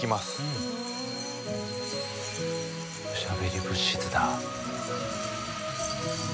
おしゃべり物質だ。